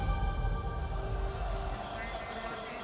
jangan lupa like subscribe share dan share ya